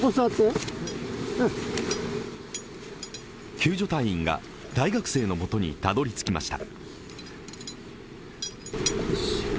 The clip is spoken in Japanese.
救助隊員が大学生のもとにたどり着きました。